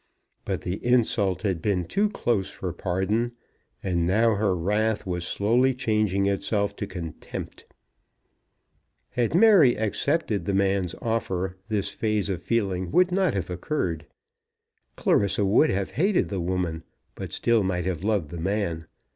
But the insult had been too close for pardon; and now her wrath was slowly changing itself to contempt. Had Mary accepted the man's offer this phase of feeling would not have occurred. Clarissa would have hated the woman, but still might have loved the man.